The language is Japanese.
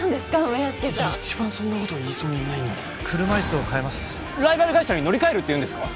梅屋敷さん一番言いそうにないのに車いすを変えますライバル会社に乗り換えるっていうんですか！？